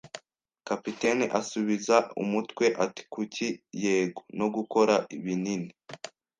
Kapiteni asubiza umutwe ati: “Kuki, yego?” “No gukora binini